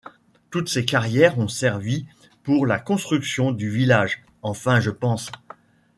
Toutes ses carrières on servi pour la construction du village, enfin je pense.